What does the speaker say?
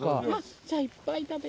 じゃいっぱい食べて。